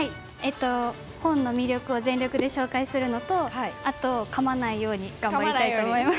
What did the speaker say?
本の魅力を全力で紹介するのとあとかまないように頑張りたいと思います。